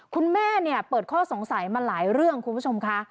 คุณแม่เปิดข้อสงสัยมาหลายเรื่องคุณผู้ชมค่ะ